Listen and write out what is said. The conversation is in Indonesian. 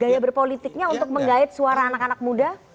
gimana berpolitiknya untuk mengait suara anak anak muda